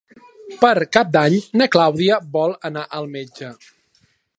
Per Cap d'Any na Clàudia vol anar al metge.